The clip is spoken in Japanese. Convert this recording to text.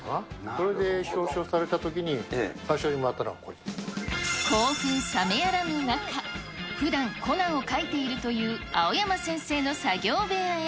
それで表彰されたときに、最初に興奮冷めやらぬ中、ふだん、コナンを描いているという青山先生の作業部屋へ。